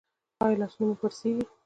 ایا لاسونه مو پړسیږي؟